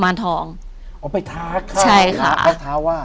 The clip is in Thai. อยู่ที่แม่ศรีวิรัยิลครับ